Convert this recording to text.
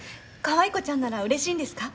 かわい子ちゃんなら嬉しいんですか？